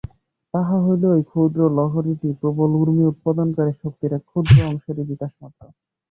তাহা হইলেও ঐ ক্ষুদ্র লহরীটি প্রবল উর্মি-উৎপাদনকারী শক্তির এক ক্ষুদ্র অংশেরই বিকাশমাত্র।